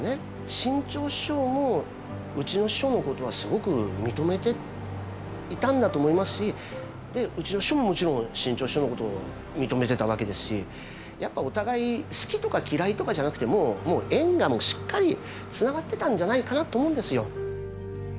志ん朝師匠もうちの師匠のことはすごく認めていたんだと思いますしでうちの師匠ももちろん志ん朝師匠のことを認めてたわけですしやっぱお互い好きとか嫌いとかじゃなくてもう縁がしっかりつながってたんじゃないかなと思うんですよ。